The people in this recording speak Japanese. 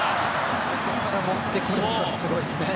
あそこから持っていくのはすごいですね。